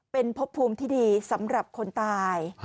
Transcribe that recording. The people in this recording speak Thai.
เป็นพบภูมิที่ดีสำหรับคนตาย